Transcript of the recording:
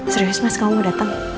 serius mas kamu mau dateng